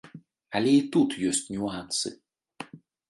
Але і тут ёсць нюансы.